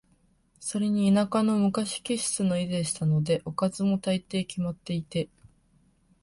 それに田舎の昔気質の家でしたので、おかずも、大抵決まっていて、